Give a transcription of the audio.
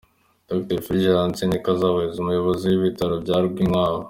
Dr Fulgence Nkikabahiza, umuyobozi w'ibitaro bya Rwinkwavu.